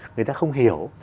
người ta không hiểu